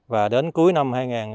và đến cuối năm hai nghìn một mươi chín